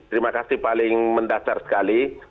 terima kasih paling mendasar sekali